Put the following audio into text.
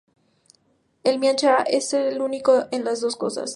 El "mian cha" es único en dos cosas.